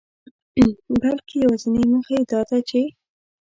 بلکي يوازنۍ موخه يې داده چي